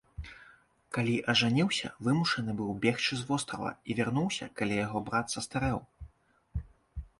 Калі ажаніўся, вымушаны быў бегчы з вострава, і вярнуўся, калі яго брат састарэў.